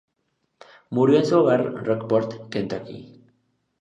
Murió en su hogar de Rockport, Kentucky.